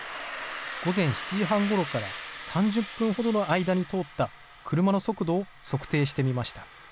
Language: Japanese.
午前７時半ごろから３０分ほどの間に通った車の速度を測定してみました。